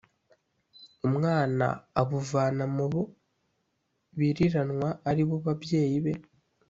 umwana abuvana mu bo biriranwa ari bo babyeyi be